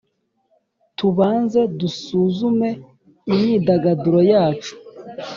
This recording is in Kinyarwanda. tubanze dusuzume imyidagaduro yacu